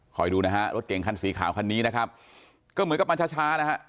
ดูนะฮะรถเก่งคันสีขาวคันนี้นะครับก็เหมือนกับมาช้าช้านะฮะ